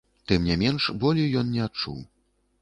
Тым не менш, болю ён не адчуў.